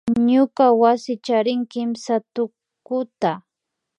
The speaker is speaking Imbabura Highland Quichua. Ñuka wasi charin kimsa tukuta